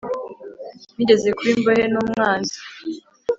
nigeze kuba imbohe n'umwanzi